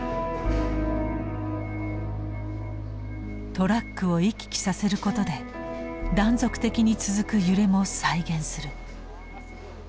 トラックを行き来させることで断続的に続く揺れも再現する。